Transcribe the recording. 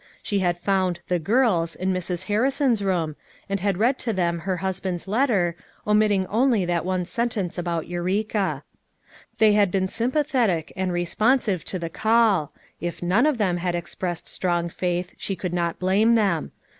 She had found "the girls M in Mrs. Harrison's room and had read to them her husband's letter, omitting only that one sentence about Eureka. They had been sympathetic and responsive to the call; — if none of them had expressed strong faith, she could not blame them.